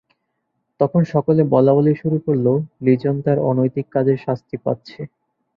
তখন সকলে বলাবলি শুরু করল লিজন তার অনৈতিক কাজের শাস্তি পাচ্ছে।